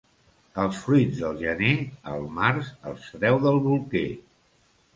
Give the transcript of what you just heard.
Els fruits del gener, el març els treu del bolquer.